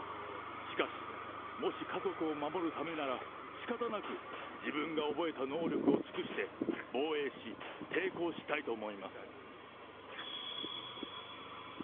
しかし、もし家族を守るためなら、しかたなく、自分が覚えた能力を尽くして、防衛し、抵抗したいと思います。